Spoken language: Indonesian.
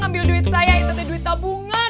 ambil duit saya itu tuh duit tabungan